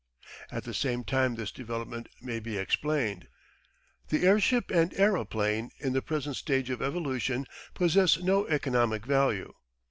At the same time this development may be explained. The airship and aeroplane in the present stage of evolution possess no economic value.